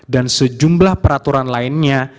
dan sejumlah peraturan lainnya